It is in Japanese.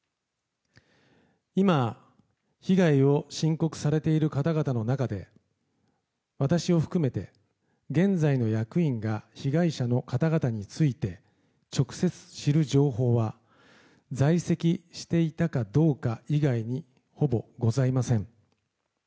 今、被害を申告されている方々の中で私を含めて、現在の役員が被害者の方々について直接知る情報は在籍していたかどうか以外にほぼございません。